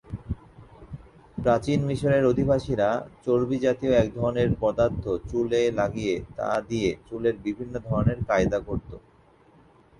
প্রাচীন মিসরের অধিবাসীরা চর্বিজাতীয় একধরনের পদার্থ চুলে লাগিয়ে তা দিয়ে চুলের বিভিন্ন ধরনের কায়দা করত।